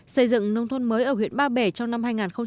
xây dựng nông thôn mới ở huyện ba bể trong năm hai nghìn một mươi bảy